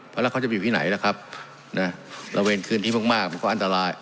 แล้วเขาจะไปอยู่ที่ไหนล่ะครับนะระเวนคืนที่มากมันก็อันตราย